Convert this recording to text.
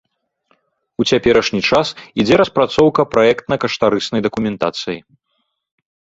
У цяперашні час ідзе распрацоўка праектна-каштарыснай дакументацыі.